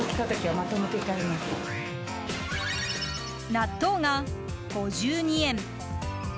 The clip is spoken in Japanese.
納豆が５２円。